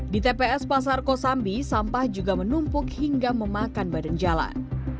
di tps pasar kosambi sampah juga menumpuk hingga memakan badan jalan